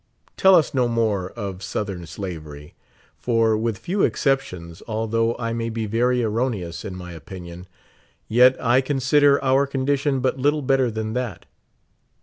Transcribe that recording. Tell us no more of Southern slavery : for, with few exceptions, although I may be very erroneous in my opinion, yet I consider our condition but little better than that.